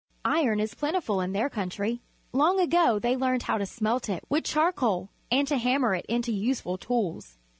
Iron is plentiful in their country. Long ago they learned how to smelt it with charcoal and to hammer it into useful tools.